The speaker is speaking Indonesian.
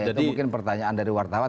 itu mungkin pertanyaan dari wartawan